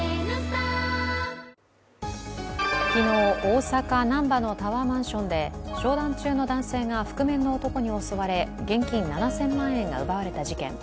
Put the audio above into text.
昨日、大阪・難波のタワーマンションで商談中の男性が覆面の男に襲われ現金７０００万円が奪われた事件。